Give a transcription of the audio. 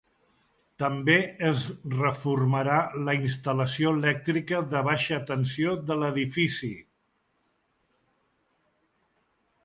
També es reformarà la instal·lació elèctrica de baixa tensió de l’edifici.